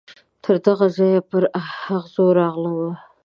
تر دغه ځایه پر اغزو راغلمه